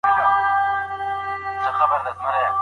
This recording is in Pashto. ولي هوډمن سړی د لایق کس په پرتله هدف ترلاسه کوي؟